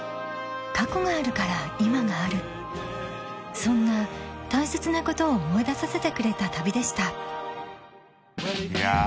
過去があるから今があるそんな大切なことを思い出させてくれた旅でしたいや